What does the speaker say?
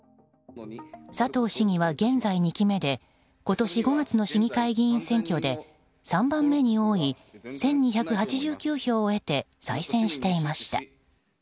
佐藤市議は現在２期目で今年５月の市議会議員選挙で３番目に多い１２８９票を得て再選していました。